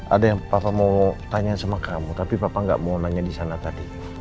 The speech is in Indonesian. ada yang papa mau tanya sama kamu tapi papa nggak mau nanya di sana tadi